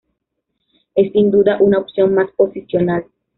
Es sin duda una opción más posicional.